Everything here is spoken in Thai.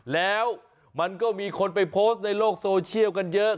แล้วมันก็มีคนไปโพสต์ในโลกโซเชียลกันเยอะ